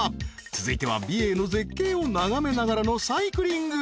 ［続いては美瑛の絶景を眺めながらのサイクリング］